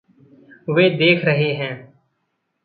वे देख रहे हैं।